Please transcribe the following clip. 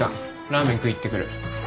ラーメン食い行ってくる。